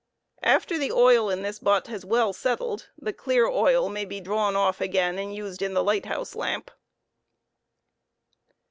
After the oil in this butt has well settled, the clear oil may be drawn off again and used in the light house lamp.